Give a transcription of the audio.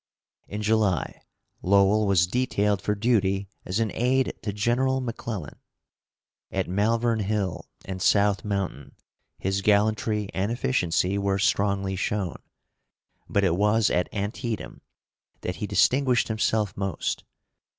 In July, Lowell was detailed for duty as an aid to General McClellan. At Malvern Hill and South Mountain his gallantry and efficiency were strongly shown, but it was at Antietam that he distinguished himself most.